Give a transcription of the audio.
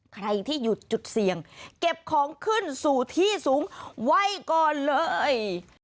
ใครที่อยู่จุดเสี่ยงเก็บของขึ้นสู่ที่สูงไว้ก่อนเลย